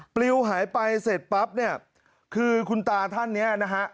ปลิวหายไปเสร็จปั๊บเนี่ยคือคุณตาท่านเนี่ยนะฮะ